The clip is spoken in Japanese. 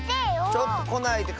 ちょっとこないで。